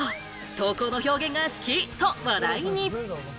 投稿の表現が好き！と話題に。